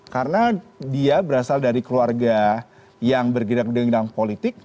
karena dia berasal dari keluarga yang bergerak di bidang politik